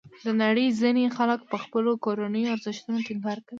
د نړۍ ځینې خلک په خپلو کورنیو ارزښتونو ټینګار کوي.